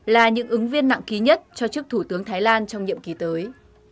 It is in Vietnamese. là những ứng viên nặng ký nhất cho chức thủ tướng thái lan trong nhiệm kỳ tới